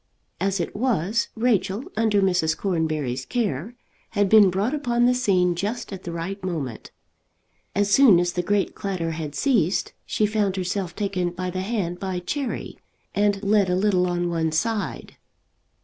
As it was, Rachel, under Mrs. Cornbury's care, had been brought upon the scene just at the right moment. As soon as the great clatter had ceased, she found herself taken by the hand by Cherry, and led a little on one side.